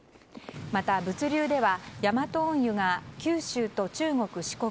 また、物流ではヤマト運輸が九州や中国・四国